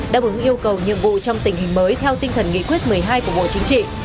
đáp ứng yêu cầu nhiệm vụ trong tình hình mới theo tinh thần nghị quyết một mươi hai của bộ chính trị